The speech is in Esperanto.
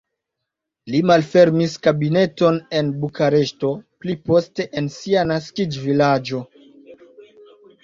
Li malfermis kabineton en Bukareŝto, pli poste en sia naskiĝvilaĝo.